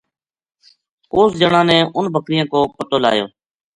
اس جنا نے اُنھ بکریاں کو پَتو لایو